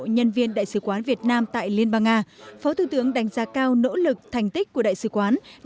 nhân viên đại sứ quán việt nam tại liên bang nga phó thủ tướng đánh giá cao nỗ lực thành tích của đại sứ quán